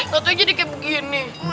tentunya jadi kayak begini